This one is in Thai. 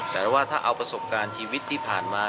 แต่ว่าถ้าเอาประสบการณ์ชีวิตที่ผ่านมา